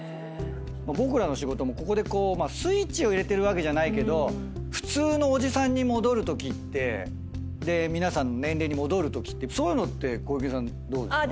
僕らの仕事もここでスイッチを入れてるわけじゃないけど普通のおじさんに戻るときって皆さんの年齢に戻るときってそういうのってどうですか？